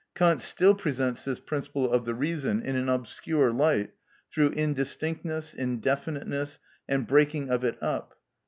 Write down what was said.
Kant still presents this principle of the reason in an obscure light, through indistinctness, indefiniteness, and breaking of it up (p.